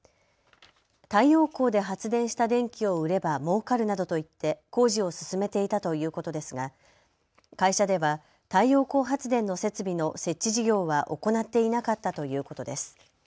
太陽光で発電した電気を売ればもうかるなどと言って工事を勧めていたということですが会社では太陽光発電の設備の設置事業は行っていなかったということです。